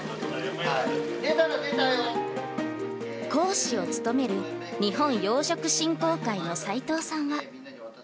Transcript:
講師を務める日本養殖振興会の斉藤さんは。